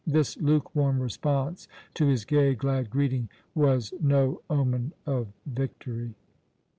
This lukewarm response to his gay, glad greeting was no omen of victory.